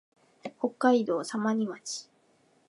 北海道様似町